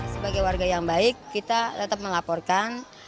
sebagai warga yang baik kita tetap melaporkan